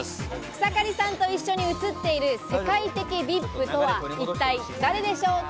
草刈さんと一緒に写っている世界的ＶＩＰとは一体誰でしょうか？